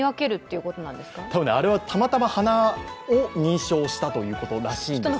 たまたま鼻を認証したということらしいんです。